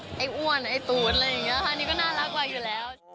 ที่นี่ก็น่ารักกว่าอยู่แล้ว